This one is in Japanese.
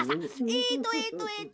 えっとえっとえっと。